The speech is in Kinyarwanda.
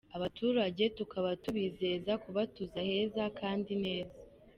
Abaturage tukaba tubizeza kubatuza heza kandi neza.